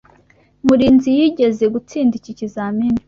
Murinzi yigeze gutsinda iki kizamini?